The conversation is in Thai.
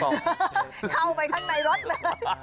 เข้าไปข้างในรถเลยไม่ใช่